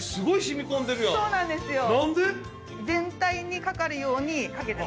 そうなんですよ。